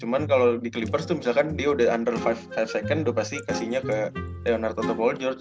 cuman kalo di clippers tuh misalkan dia udah under lima seconds udah pasti kasihnya ke leonard atau paul george